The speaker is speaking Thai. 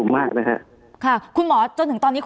คุณหมอประเมินสถานการณ์บรรยากาศนอกสภาหน่อยได้ไหมคะ